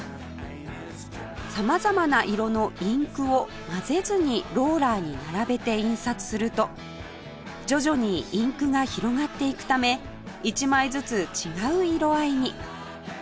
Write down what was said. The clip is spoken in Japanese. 様々な色のインクを混ぜずにローラーに並べて印刷すると徐々にインクが広がっていくため１枚ずつ違う色合いに